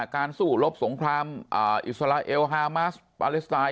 ในการสู้รกสงครามอิสราเอลฮาร์มัสปาเลนส์ทราย